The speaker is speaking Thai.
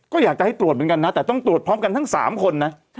ก็อยากจะให้ตรวจเหมือนกันนะแต่ต้องตรวจพร้อมกันทั้ง๓คนนะ